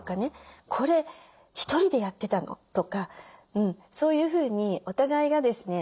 「これ１人でやってたの？」とかそういうふうにお互いがですね